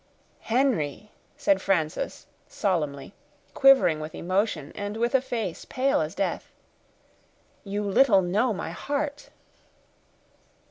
"Henry!" said Frances, solemnly, quivering with emotion, and with a face pale as death, "you little know my heart."